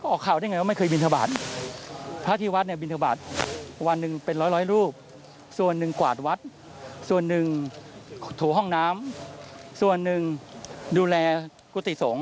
ออกข่าวได้ไงว่าไม่เคยบินทบาทพระที่วัดเนี่ยบินทบาทวันหนึ่งเป็นร้อยรูปส่วนหนึ่งกวาดวัดส่วนหนึ่งถูห้องน้ำส่วนหนึ่งดูแลกุฏิสงฆ